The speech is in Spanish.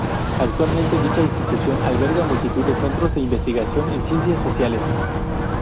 Actualmente, dicha institución, alberga multitud de centros de investigación en ciencias sociales.